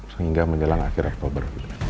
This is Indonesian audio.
sehingga menjelang akhir oktober